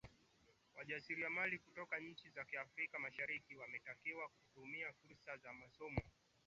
wajasiriamali kutoka nchi za afrika mashariki wametakiwa kutumia furusa za masoko